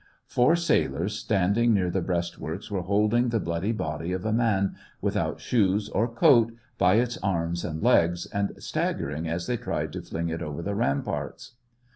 Four sailors standing SEVASTOPOL IN AUGUST. 5 near the breastworks were holding the bloody body of a man, without shoes or coat, by its arms and legs, and staggering as they tried to fling it over the ramparts.